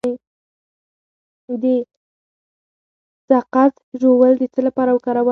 د سقز ژوول د څه لپاره وکاروم؟